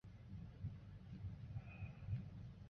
盖茨高中时曾经不得不弃学在家里帮助工作来还债。